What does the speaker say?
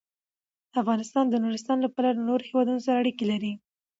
افغانستان د نورستان له پلوه له نورو هېوادونو سره اړیکې لري.